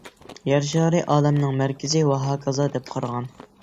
يەر شارى ئالەمنىڭ مەركىزى ۋەھاكازا دەپ قارىغان.